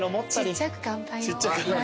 ちっちゃく乾杯よ。